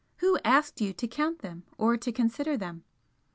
Who asked you to count them or to consider them?